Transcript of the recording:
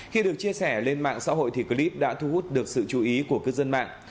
khi được chia sẻ lên mạng xã hội thì clip đã thu hút được sự chú ý của cư dân mạng